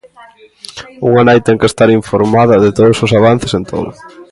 Unha nai ten que estar informada de todos os avances en todo.